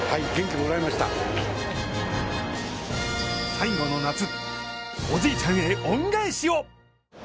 最後の夏、おじいちゃんへ恩返しを。